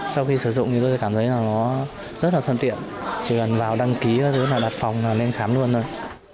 sau khi sử dụng thì tôi cảm thấy là nó rất là thuận tiện chỉ cần vào đăng ký là đặt phòng là nên khám luôn thôi